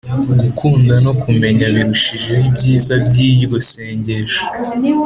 gukunda no kumenya birushijeho ibyiza by’iryo sengesho